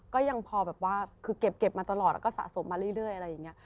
ก็ยังพอแบบว่าคือเก็บมาตลอดแล้วก็สะสมมาเรื่อยอะไรอย่างนี้